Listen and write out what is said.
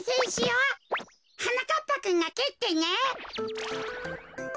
はなかっぱくんがけってね。